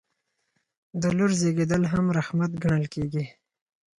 د لور زیږیدل هم رحمت ګڼل کیږي.